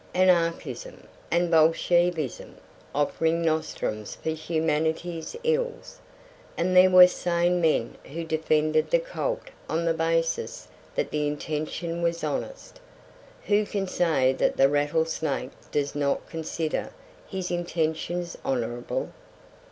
Anarchism and Bolshevism offering nostrums for humanity's ills! And there were sane men who defended the cult on the basis that the intention was honest. Who can say that the rattlesnake does not consider his intentions honourable?